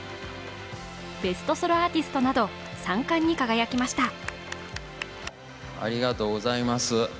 ベスト・ソロ・アーティストなど３冠に輝きました。